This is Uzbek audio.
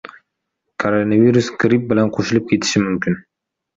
Koronavirus gripp bilan qo‘shilib ketishi mumkin?!